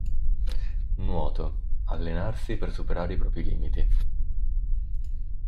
Nuoto, allenarsi per superare i propri limiti.